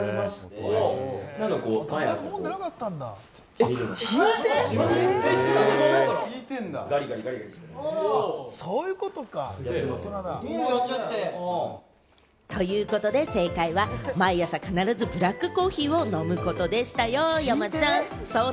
正解はこちらだよ。ということで正解は、毎朝必ずブラックコーヒーを飲むことでしたよ、山ちゃん。